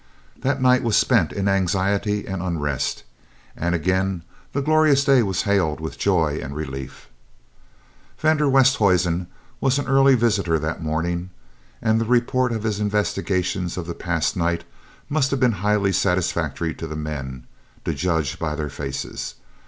That night was spent in anxiety and unrest, and again the glorious day was hailed with joy and relief. Van der Westhuizen was an early visitor that morning, and the report of his investigations of the past night must have been highly satisfactory to the men, to judge by their faces.